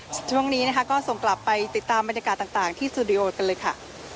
ส่วนช่วงนี้นะคะก็ส่งกลับไปติดตามบรรยากาศต่างที่สตูดิโอกันเลยค่ะ